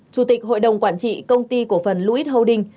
chủ tịch hội đồng quản trị công ty cổ phần luis holding